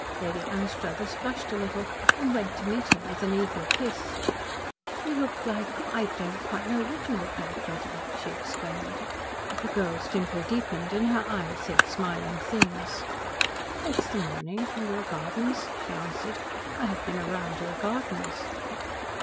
Lady Anstruthers flushed a little and went to meet her with an eager kiss. "You look like I don't know quite what you look like, Betty!" she exclaimed. The girl's dimple deepened and her eyes said smiling things. "It is the morning and your gardens," she answered. "I have been round your gardens."